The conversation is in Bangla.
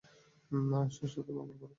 স্রষ্টা তোর মঙ্গল করুক!